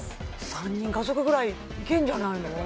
３人家族ぐらいいけんじゃないの？